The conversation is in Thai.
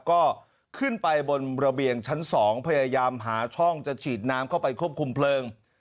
ก็ขึ้นไปบนระเบียงชั้น๒พยายามหาช่องจะฉีดน้ำเข้าไปควบคุมเพลิง